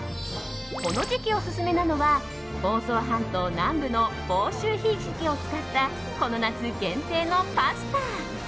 この時期オススメなのは房総半島南部の房州ひじきを使ったこの夏限定のパスタ。